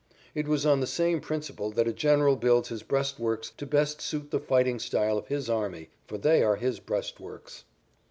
It was on the same principle that a general builds his breastworks to best suit the fighting style of his army, for they are his breastworks.